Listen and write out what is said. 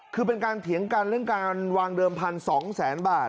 คือเป็นการเถียงกันเรื่องการวางเดิมพัน๒แสนบาท